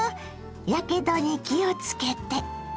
やけどに気をつけて。